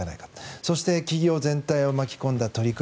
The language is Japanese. そして、企業全体を巻き込んだ取り組み。